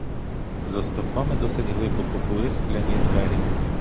За стовпами, досить глибоко, були скляні двері.